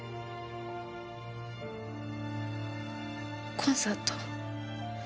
コンサート